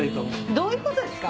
どういうことですか？